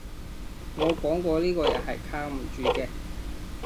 我講過呢個人係靠唔住嘅